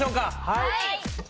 はい！